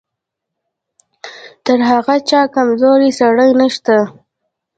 تر هغه چا کمزوری سړی نشته.